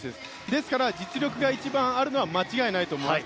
ですから実力が一番あるのは間違いないと思います。